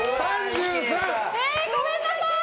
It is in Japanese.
ごめんなさい！